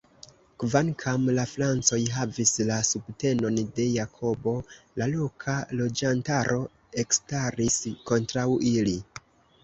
Kvankam la Francoj havis la subtenon de Jakobo, la loka loĝantaro ekstaris kontraŭ ili.